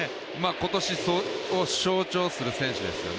今年を象徴する選手ですよね